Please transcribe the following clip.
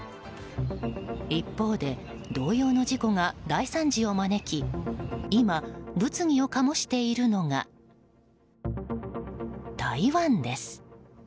一方で、同様の事故が大惨事を招き今、物議を醸しているのが台湾です。